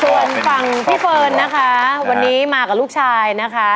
ส่วนฝั่งพี่เฟิร์นนะคะวันนี้มากับลูกชายนะคะ